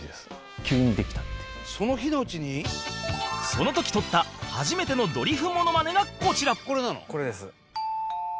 その時撮った初めてのドリフモノマネがこちら